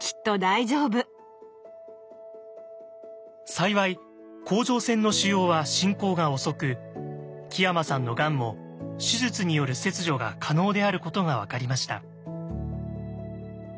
幸い甲状腺の腫瘍は進行が遅く木山さんのがんも手術による切除が可能であることが分かりました。